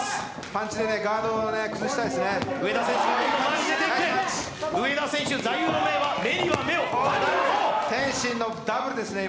パンチでガードを崩したいですね。